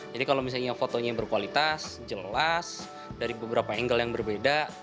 jadi kalau misalnya fotonya berkualitas jelas dari beberapa angle yang berbeda